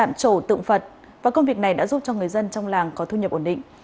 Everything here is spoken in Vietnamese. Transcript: phật và công việc này đã giúp cho người dân trong làng có thu nhập ổn định